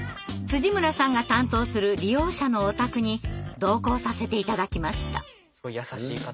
村さんが担当する利用者のお宅に同行させて頂きました。